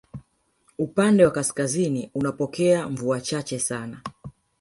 Upande wa kaskazini unapokea mvua chache sana